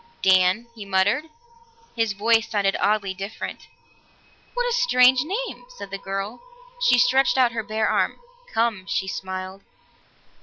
"Dan," he muttered. His voice sounded oddly different. "What a strange name!" said the girl. She stretched out her bare arm. "Come," she smiled.